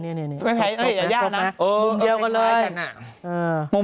นี่ซบนะมุมเดียวกันเลยไม่ไหวจะยากนะ